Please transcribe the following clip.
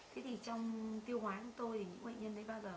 thế thì trong tiêu hóa của tôi thì những bệnh nhân thấy bao giờ